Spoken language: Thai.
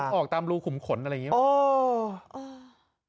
มันเหมือนออกตามรูขุมขนอะไรอย่างนี้